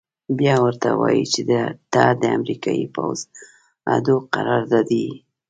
بيا ورته وايي چې ته د امريکايي پوځي اډو قراردادي يې.